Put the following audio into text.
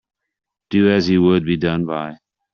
Do as you would be done by.